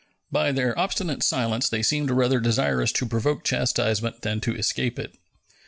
By their obstinate silence they seemed rather desirous to provoke chastisement than to escape it.